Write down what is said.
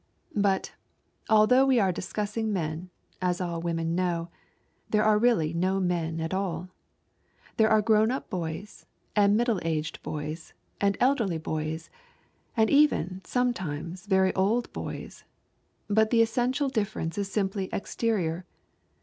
But, although we are discussing men, as all women know, there are really no men at all. There are grown up boys, and middle aged boys, and elderly boys, and even sometimes very old boys. But the essential difference is simply exterior.